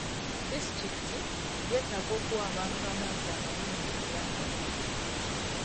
Disitulikiti yetaaga okuwa abantu amazzi amalungi era amayonjo.